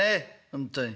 本当に。